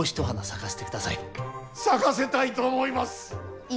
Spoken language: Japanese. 咲かせたいと思います。